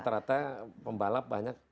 iya rata rata pembalap banyak